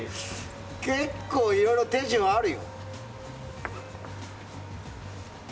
結構、いろいろ手順あるよ。